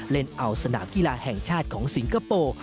เล่นเอาสนามกีฬาแห่งชาติของสิงคโปร์